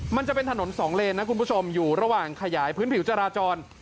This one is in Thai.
มันจะเป็นถนนสองเลนนะคุณผู้ชมอยู่ระหว่างขยายพื้นผิวจราจร